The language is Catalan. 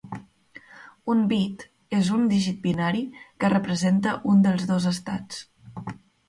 Un "bit" és un dígit binari que representa un dels dos estats.